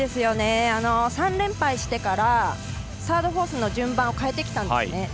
３連敗してからサード、フォースの順番を変えてきたんですね。